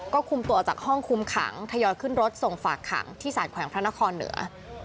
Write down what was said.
ก็คุมตัวออกจากห้องคุมขังทยอยขึ้นรถส่งฝากขังที่สารแขวงพระนครเหนือ